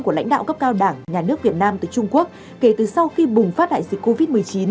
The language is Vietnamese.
của lãnh đạo cấp cao đảng nhà nước việt nam tới trung quốc kể từ sau khi bùng phát đại dịch covid một mươi chín